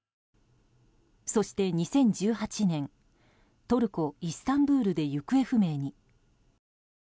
そして２０１８年トルコ・イスタンブールで行方不明に。